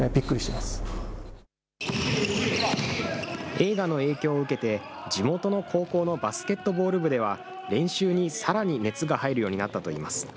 映画の影響を受けて、地元の高校のバスケットボール部では、練習にさらに熱が入るようになったといいます。